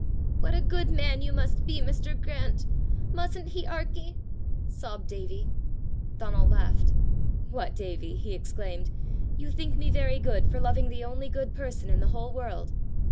"What a good man you must be, Mr. Grant! Mustn't he, Arkie?" sobbed Davie. Donal laughed. "What, Davie!" he exclaimed. "You think me very good for loving the only good person in the whole world!